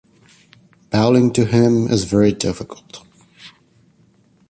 Bowling to him is very difficult.